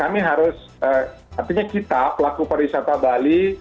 artinya kita pelaku pariwisata bali